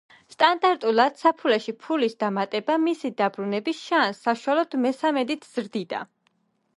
სტატისტიკურად, საფულეში ფულის დამატება მისი დაბრუნების შანსს, საშუალოდ მესამედით ზრდიდა.